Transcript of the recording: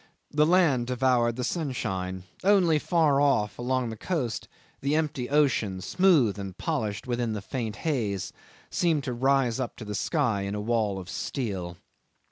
The land devoured the sunshine; only far off, along the coast, the empty ocean, smooth and polished within the faint haze, seemed to rise up to the sky in a wall of steel.